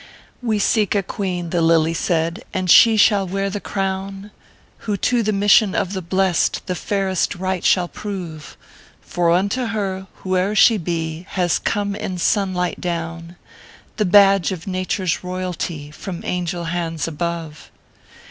"We seek a queen," the Lily said, "and she shall wear the crown Who to the Mission of the Blest the fairest right shall prove ; For unto her, whoe er she be, has come in sunlight down The badge of Nature s Royalty, from angel hands above.